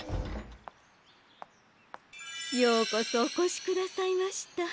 ようこそおこしくださいました。